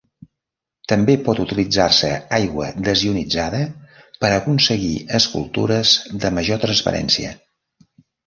També pot utilitzar-se aigua desionitzada per aconseguir escultures de major transparència.